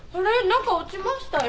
何か落ちましたよ。